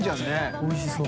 おいしそう。